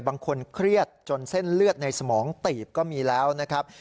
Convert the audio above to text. บางคนเครียดจนเส้นเลือดในสมองตีบก็มีแล้วนะครับ